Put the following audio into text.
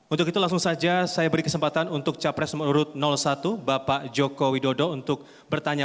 untuk itu langsung saja saya beri kesempatan untuk capres menurut satu bapak joko widodo untuk bertanya